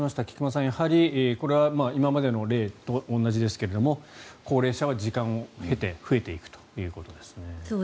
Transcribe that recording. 菊間さん、やはりこれは今までの例と同じですけど高齢者は時間を経て増えていくということですね。